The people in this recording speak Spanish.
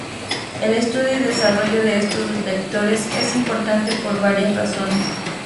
El estudio y desarrollo de estos detectores es importante por varias razones.